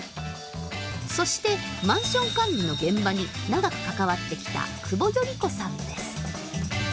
そしてマンション管理の現場に長く関わってきた久保依子さんです。